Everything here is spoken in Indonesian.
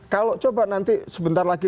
kalau coba nanti sebentar lagi